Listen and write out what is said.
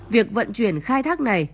việc vận chuyển khai thác này